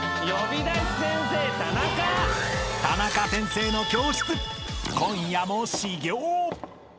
［タナカ先生の教室今夜も始業！］